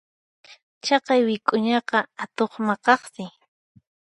Chaqay wik'uñaqa atuq maqaqsi.